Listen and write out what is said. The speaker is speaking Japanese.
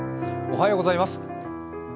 おはようございます。